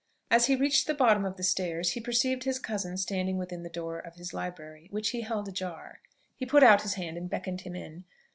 As he reached the bottom of the stairs, he perceived his cousin standing within the door of his library, which he held ajar. He put out his hand and beckoned him in.